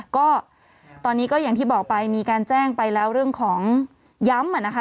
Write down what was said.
ก็ตอนนี้ก็อย่างที่บอกไปมีการแจ้งไปแล้วเรื่องของย้ำนะคะ